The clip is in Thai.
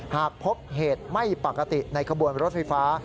หากพบเหตุไม่ปกติในขบวนรถไฟฟ้า